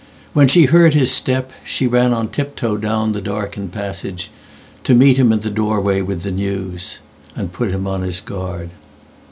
When she heard his step, She ran on tip toe down the darkened passageTo meet him in the doorway with the newsAnd put him on his guard.